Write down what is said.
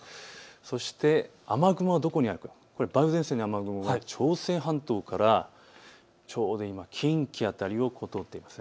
そして雨雲はどこにあるかというと梅雨前線の雨雲は朝鮮半島からちょうど近畿辺りを通っています。